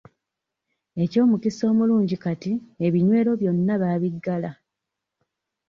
Eky'omukisa omulungi kati ebinywero byonna baabigadde.